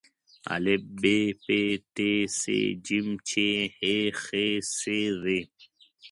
ا ب پ ت ټ ث ج چ ح خ څ ځ